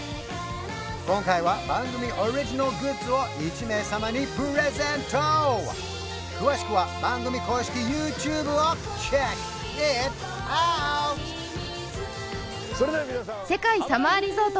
今回は番組オリジナルグッズを１名様にプレゼント詳しくは番組公式ＹｏｕＴｕｂｅをｃｈｅｃｋｉｔｏｕｔ！